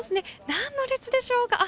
何の列でしょうか？